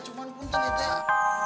cuma pun teh teh